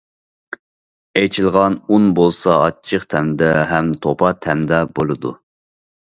ئېچىغان ئۇن بولسا، ئاچچىق تەمدە ھەم توپا تەمدە بولىدۇ.